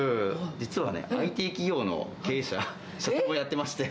実はね、ＩＴ企業の経営者、社長をやってまして。